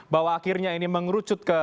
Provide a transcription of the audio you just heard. bahwa akhirnya ini mengerucut ke